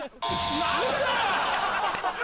何でだよ！